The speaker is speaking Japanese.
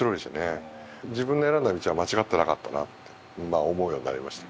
自分の選んだ道は間違ってなかったなって思うようになりました。